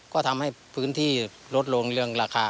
ก็ทำให้พื้นที่ลดลงเรื่องราคา